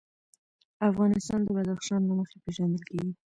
افغانستان د بدخشان له مخې پېژندل کېږي.